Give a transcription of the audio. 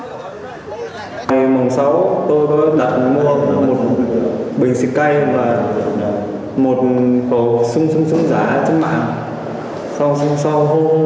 hôm sáu tôi đã đặt mua một bình xịt cay và một cổ xung xung giá trên mạng